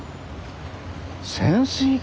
潜水艦。